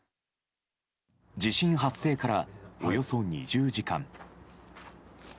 地震発生からおよそ２０時間。